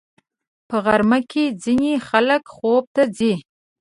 په غرمه کې ځینې خلک خوب ته ځي